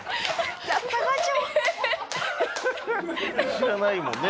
知らないもんね